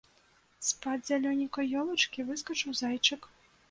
З-пад зялёненькай елачкі выскачыў зайчык.